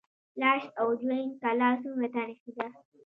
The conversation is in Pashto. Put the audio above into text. لاش او جوین کلا څومره تاریخي ده؟